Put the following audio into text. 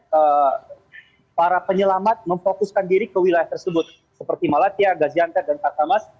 dan kemudian para penyelamat memfokuskan diri ke wilayah tersebut seperti malatya gaziantep dan kartamas